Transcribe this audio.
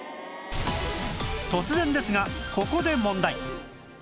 突然ですがここで問題